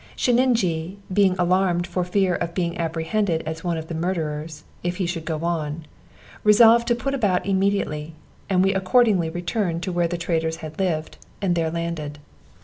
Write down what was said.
Sheninjee being alarmed for fear of being apprehended as one of the murderers, if he should go on, resolved to put about immediately, and we accordingly returned to where the traders had lived, and there landed.